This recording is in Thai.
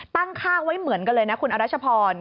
ตั้งค่าไว้เหมือนกันเลยนะคุณอรัชพร